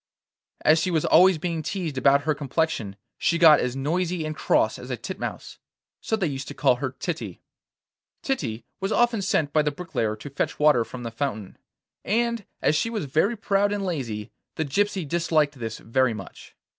As she was always being teased about her complexion, she got as noisy and cross as a titmouse. So they used to call her Titty. Titty was often sent by the bricklayer to fetch water from the fountain, and as she was very proud and lazy the gypsy disliked this very much.